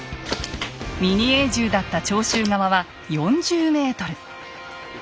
ミニエー銃だった長州側は４０ｍ。